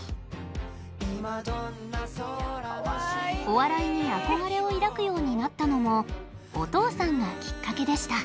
お笑いに憧れを抱くようになったのもお父さんがきっかけでした。